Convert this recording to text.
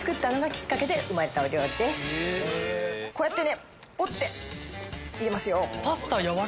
こうやってね折って入れますよ。